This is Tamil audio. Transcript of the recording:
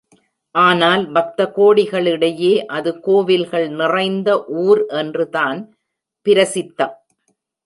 ஆனால் பக்த கோடிகளிடையே அது கோவில்கள் நிறைந்த ஊர் என்றுதான் பிரசித்தம்.